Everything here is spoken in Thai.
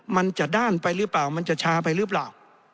มันจะด้านไปหรือเปล่ามันจะช้าไปหรือเปล่า